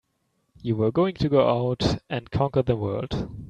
You were going to go out and conquer the world!